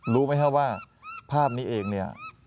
รู้ไหมครับว่าภาพนี้เองเนี่ย